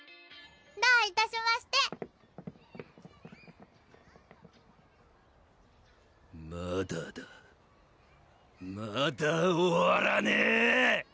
どういたしましてまだだまだ終わらねぇ！